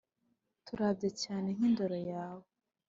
turabya cyane nk' indoro yawe